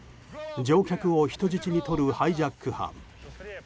乗客を人質にとるハイジャック犯。